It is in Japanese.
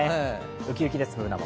ウキウキです、Ｂｏｏｎａも。